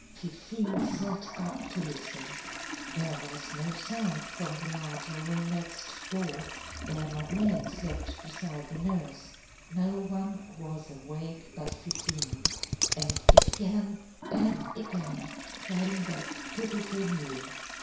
Fifine sat up to listen. There was no sound from the larger room next door, where Madeleine slept beside the nurse. No one was awake but Fifine, and again, and again came that pitiful mew.